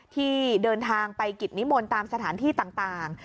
ที่เดินทางไปกิจนิมนต์ตามสถานที่ต่าง